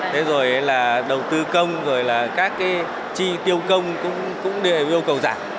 thế rồi là đầu tư công rồi là các cái chi tiêu công cũng yêu cầu giảm